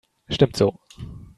Stimmt so.